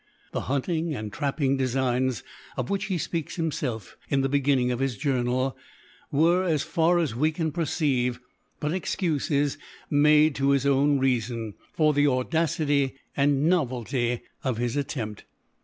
The hunting and trapping designs, of which he speaks himself, in the beginning of his Journal, were, as far as we can perceive, but excuses made to his own reason, for the audacity and novelty of his attempt.